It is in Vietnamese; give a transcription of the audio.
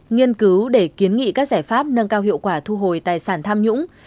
nghiên cứu để kiến nghị các giải pháp nâng cao hiệu quả thu hồi tài sản tham nhũng